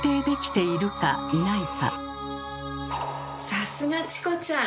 さすがチコちゃん！